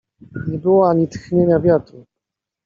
Nie było ani tchnienia wiatru.